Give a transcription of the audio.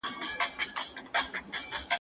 مطالعه کول ستا په ژوند کي نظم راولي.